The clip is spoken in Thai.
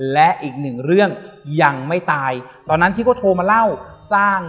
และอีกหนึ่งเรื่องยังไม่ตายตอนนั้นที่เขาโทรมาเล่าสร้าง